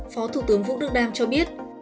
phó thủ tướng vũ đức đam cho biết